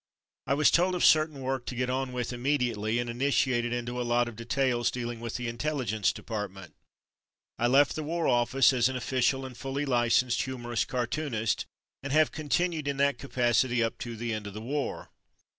I was told of certain work to get on with immediately, and initiated into a lot of details dealing with the Intelligence Depart ment. I left the War Office as an official and fully licensed humorous cartoonist, and have continued in that capacity up to the end of the war.